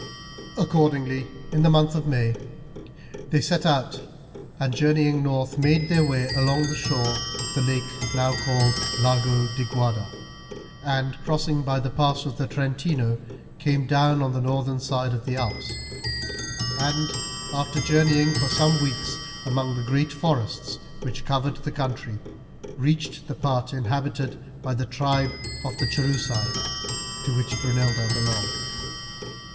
Accordingly in the month of May they set out, and journeying north made their way along the shore of the lake now called the Lago di Guarda, and, crossing by the pass of the Trentino, came down on the northern side of the Alps, and, after journeying for some weeks among the great forests which covered the country, reached the part inhabited by the tribe of the Cherusei, to which Brunilda belonged.